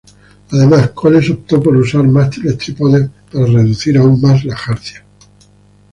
Además, Coles opto por usar mástiles trípodes para reducir aún más la jarcia.